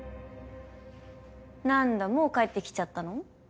なんだもう帰ってきちゃったの？